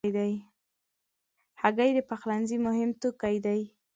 هګۍ د پخلنځي مهم توکي دي.